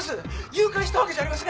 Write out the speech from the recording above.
誘拐したわけじゃありません。